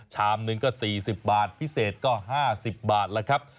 ชามหนึ่งก็๔๐บาทพิเศษก็๕๐บาทแล้วครับ